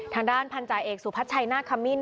ทางด้านพันธาเอกสุพัชชัยนาคมิ้น